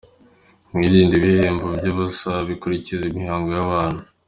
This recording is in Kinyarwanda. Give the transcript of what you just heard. Mwirinde, ibihendo by’ubusa bikurikiza imihango y’abantu